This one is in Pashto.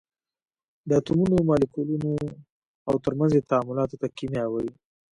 د اتومونو، مالیکولونو او تر منځ یې تعاملاتو ته کېمیا وایي.